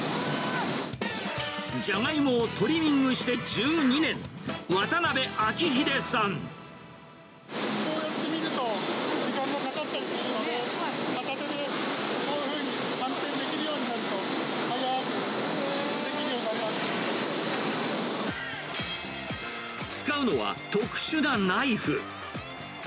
ジャガイモをトリミングして１２年、こうやって見ると、時間がかかちゃったりするので、片手でこういうふうに反転できるようになると早くできるようにな使うのは特殊なナイフ。